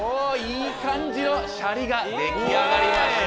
いい感じのシャリが出来上がりました！